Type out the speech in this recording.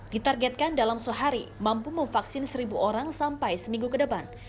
ditargetkan dalam sehari mampu memvaksin seribu orang sampai seminggu ke depan